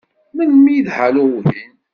Melmi i d Halloween?